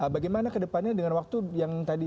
bagaimana ke depannya dengan waktu yang tadi